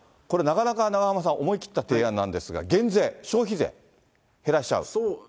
これ、なかなか永濱さん、思い切った提案なんですが、減税、消費税減らしちゃう？